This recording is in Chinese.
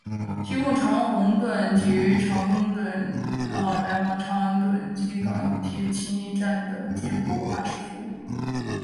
提供长宏邨及长亨邨来往长安邨及港铁青衣站的接驳巴士服务。